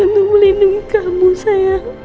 untuk melindungi kamu sayang